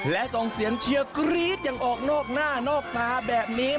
และส่องเสียงเชียร์กรี๊ดยังออกโนกหน้าโนกปลาแบบนี้